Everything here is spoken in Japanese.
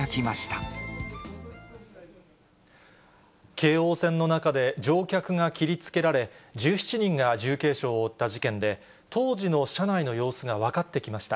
京王線の中で、乗客が切りつけられ、１７人が重軽傷を負った事件で、当時の車内の様子が分かってきました。